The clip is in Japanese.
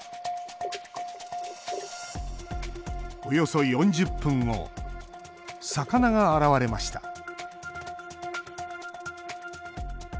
およそ４０分後、魚が現れました。